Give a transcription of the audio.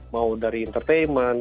mau dari entertainment